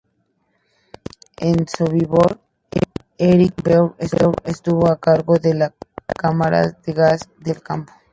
En Sobibor, Erich Bauer estuvo a cargo de las cámaras de gas del campo.